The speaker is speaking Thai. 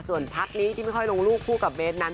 ส่วนพักนี้ที่ไม่ค่อยลงรูปคู่กับเบสนั้น